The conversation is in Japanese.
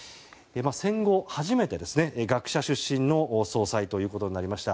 戦後初めて学者出身の総裁となりました。